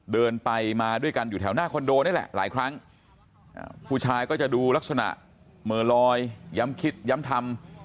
เดินไปมาด้วยกันอยู่แถวหน้าคอนโดนี่แหละหลายครั้งผู้ชายก็จะดูลักษณะเหม่อลอยย้ำคิดย้ำทำ